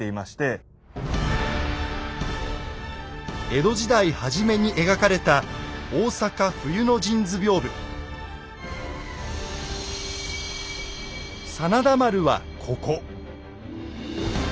江戸時代初めに描かれた真田丸はここ。